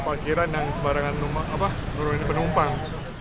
kira kira yang sebarangan penumpang